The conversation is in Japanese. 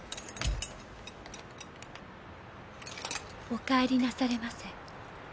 お帰りなされませ。